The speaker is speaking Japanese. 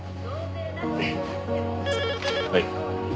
はい。